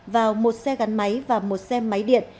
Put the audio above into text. vào một xe gắn máy và một xe máy điện